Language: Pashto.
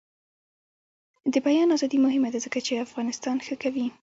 د بیان ازادي مهمه ده ځکه چې افغانستان ښه کوي.